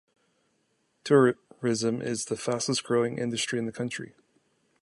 Tourism is the fastest-growing industry in the country.